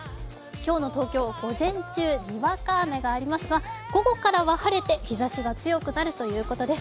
今日の東京、午前中、にわか雨がありますが、午後からは晴れて日ざしが強くなるということです。